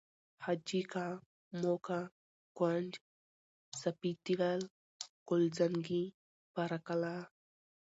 حاجي که، موکه، کونج، سپید دیوال، قل زنگي، پاره قلعه